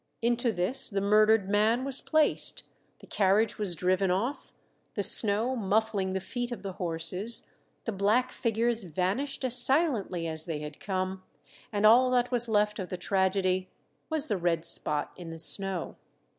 Into this the murdered man was placed, the carriage was driven off, the snow muffling the feet of the horses, the black figures vanished as silently as they had come, and all that was left of the tragedy was the red spot in the snow.